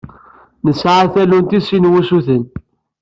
Nesɛa tallunt i sin n wusuten.